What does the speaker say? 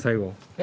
え？